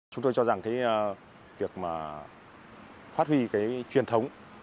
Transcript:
chúng tôi cho rằng cái việc mà phát huy cái truyền thống